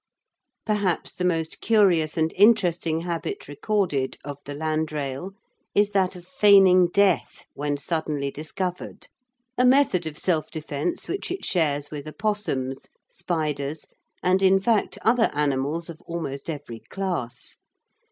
Perhaps the most curious and interesting habit recorded of the landrail is that of feigning death when suddenly discovered, a method of self defence which it shares with opossums, spiders, and in fact other animals of almost every class.